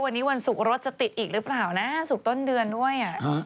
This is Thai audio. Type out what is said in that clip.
วันนี้วันศุกร์รถจะติดอีกหรือเปล่านะศุกร์ต้นเดือนด้วย